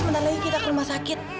bentar lagi kita ke rumah sakit